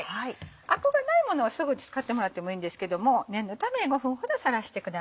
アクがないものはすぐ使ってもらってもいいんですけども念のため５分ほどさらしてください。